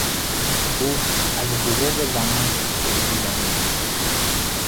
او از حقوق زنان پشتیبانی میکند.